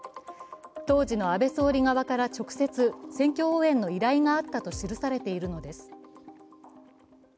当時の安倍総理側から直接、選挙応援の依頼があったと記されているのです。